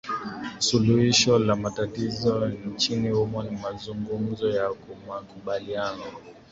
suluhisho la matatizo nchini humo ni mazungumzo ya ku ya makubaliano